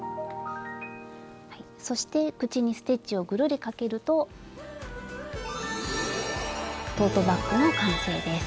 そして口にステッチをぐるりかけるとトートバッグの完成です。